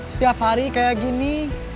setiap hari kayak gini